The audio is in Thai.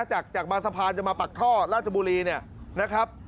จะกลับไปมาปากท่อราชบุรีนะครับ